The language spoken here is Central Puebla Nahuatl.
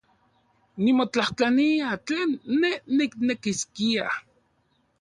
Nimotlajtlania tlen ne niknekiskia.